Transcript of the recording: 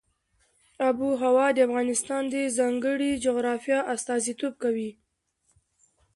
آب وهوا د افغانستان د ځانګړي جغرافیه استازیتوب کوي.